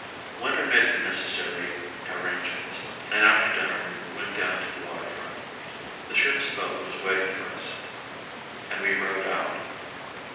Winter made the necessary arrangements and after dinner we went down to the water front. The ship's boat was waiting for us and we rowed out.